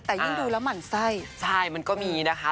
แต่ยิ่งดูแล้วหมั่นไส้ใช่มันก็มีนะคะ